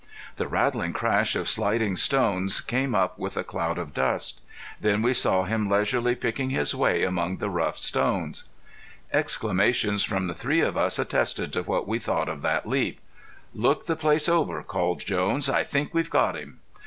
The rattling crash of sliding stones came up with a cloud of dust. Then we saw him leisurely picking his way among the rough stones. Exclamations from the three of us attested to what we thought of that leap. "Look the place over," called Jones. "I think we've got him."